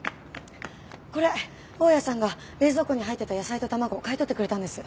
これ大家さんが冷蔵庫に入ってた野菜と卵買い取ってくれたんです。